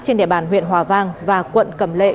trên địa bàn huyện hòa vang và quận cẩm lệ